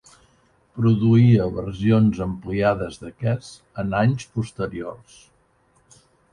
Produïa versions ampliades d'aquests en anys posteriors.